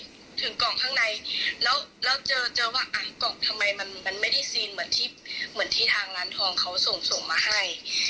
เปิดเข้าไปถึงกล่องข้างในแล้วเจอว่ากล่องทำไมมันไม่ได้ซีนเหมือนที่ทางร้านทองเขาส่งมาให้